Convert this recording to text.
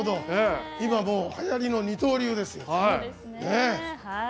今、はやりの二刀流です。